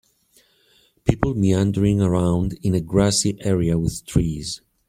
People meandering around in a grassy area with trees.